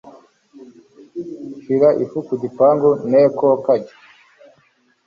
Shira ifu ku gipangu NekoKanjya